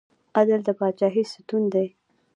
عدل د پاچاهۍ ستون دی